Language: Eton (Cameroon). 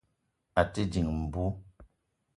À te dìng mbú